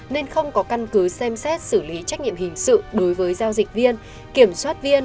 nên không có căn cứ xem xét xử lý trách nhiệm hình sự đối với giao dịch viên kiểm soát viên